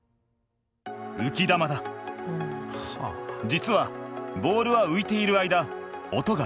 実はボールは浮いている間音が出ない。